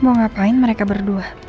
mau ngapain mereka berdua